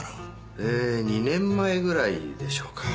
えー２年前ぐらいでしょうか。